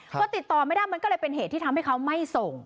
พอติดต่อไม่ได้มันก็เลยเป็นเหตุที่ทำให้เขาไม่ส่ง